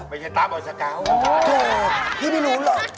มันยังไงตาบรอยซาเก้า